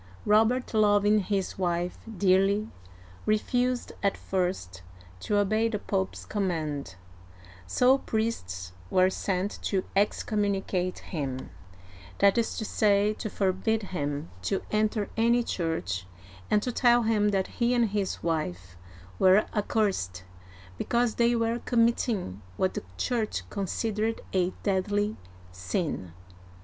Robert, loving his wife dearly, refused at first to obey the Pope's command, so priests were sent to excommunicate him, uigiTizea Dy vjiOOQlC I02 OLD FRANCE that is to say, to forbid him to enter any church, and to tell him that he and his wife were accursed, because they were committing what the Church considered a deadly sin.